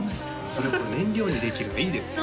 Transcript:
それも燃料にできるのいいですね